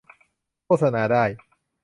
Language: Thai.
โฆษณาได้